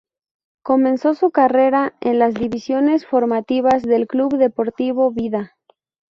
Comenzó su carrera en las divisiones formativas del Club Deportivo Vida.